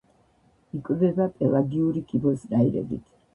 იკვებება პელაგიური კიბოსნაირებით.